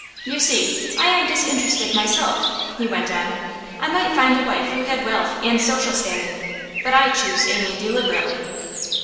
'You see, I am disinterested myself,' he went on. 'I might find a wife who had wealth and social standing. But I choose Amy deliberately.